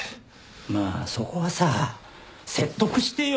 まあそこはさ説得してよ。